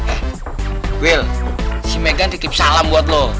eh will si meghan titip salam buat lo